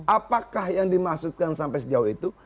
apakah yang dimaksudkan sampai sejauh itu